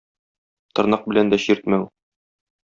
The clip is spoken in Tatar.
Тырнак белән дә чиртмәү.